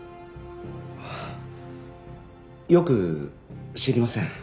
ああよく知りません。